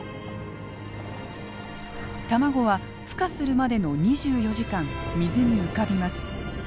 卵はふ化するまでの２４時間水に浮かびます。